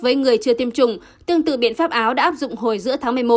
với người chưa tiêm chủng tương tự biện pháp áo đã áp dụng hồi giữa tháng một mươi một